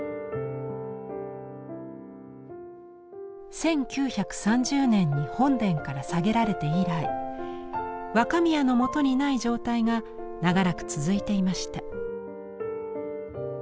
１９３０年に本殿から下げられて以来若宮のもとにない状態が長らく続いていました。